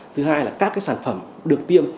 thứ hai là các cái sản phẩm được tiêm